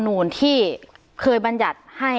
สนุนโดยทีโพพิเศษถูกอนามัยสะอาดใสไร้คราบ